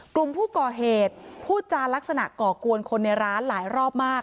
กลุ่มผู้ก่อเหตุพูดจารักษณะก่อกวนคนในร้านหลายรอบมาก